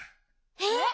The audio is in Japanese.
えっ？